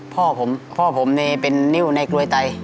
พ่อผมพ่อผมเป็นนิ้วในกลวยไต